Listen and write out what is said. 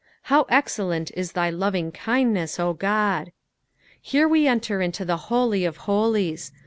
''How eaxlUnt it thy lovingkindjieit, 0 God." Here we enter into the Holj of Hutics.